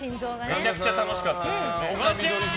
めちゃくちゃ楽しかったですよね。